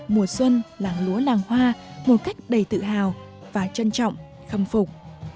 mùa xuân làng lúa làng hoa một cách đầy tự hào và trân trọng khâm phục